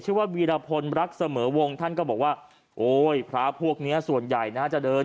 ว่าวีรพลรักเสมอวงท่านก็บอกว่าโอ้ยพระพวกเนี้ยส่วนใหญ่นะจะเดิน